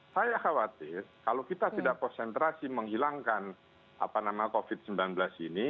saya khawatir kalau kita tidak konsentrasi menghilangkan covid sembilan belas ini